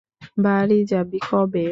বাড়ি যাবি কবে?